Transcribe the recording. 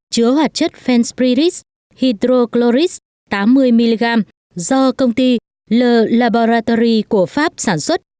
chứa hoạt chất phanspriris hydrochloris tám mươi mg do công ty le laboratories của pháp sản xuất